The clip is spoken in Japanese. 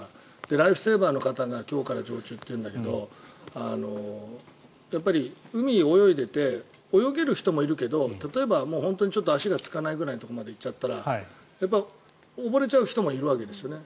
ライフセーバーの方が今日から常駐というんだけどやっぱり海を泳いでいて泳げる人もいるけど例えば、本当にちょっと足がつかないくらいのところに行ったら溺れちゃう人もいるわけですよね。